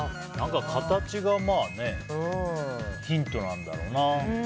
形がヒントなんだろうな。